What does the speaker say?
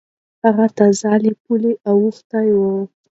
هغه تازه له پولې اوختی و.